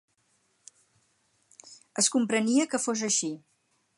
Es comprenia que fos així.